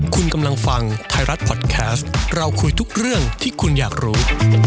คุณกำลังฟังไทยรัฐพอดแคสต์เราคุยทุกเรื่องที่คุณอยากรู้